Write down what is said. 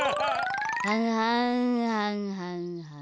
はんはんはんはんはん。